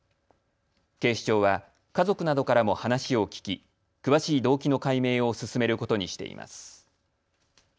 警視庁は家族などからも話を聞き、詳しい動機の解明を進めることにしています。